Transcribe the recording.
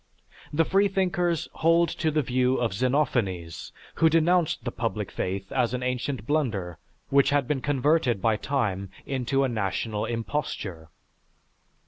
The freethinkers hold to the view of Xenophanes who denounced the public faith as an ancient blunder which had been converted by time into a national imposture.